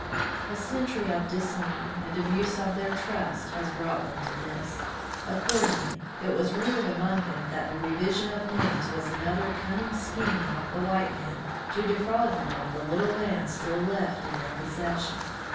A "century of dis honor" and abuse of their trust has brought them to this. Accordingly, it was rumored among them that the revision of names was another cunning scheme of the white man to defraud them of the little land still left in their possession.